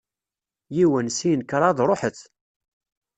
Yiwen, sin, kraḍ, ruḥet!